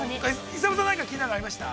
◆磯山さん、何か気になるのありました？